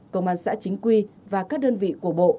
công an xã chính quy và các đơn vị của bộ